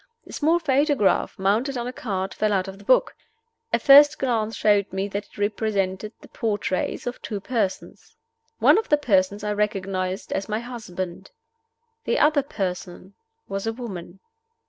A small photograph, mounted on a card, fell out of the book. A first glance showed me that it represented the portraits of two persons. One of the persons I recognized as my husband. The other person was a woman.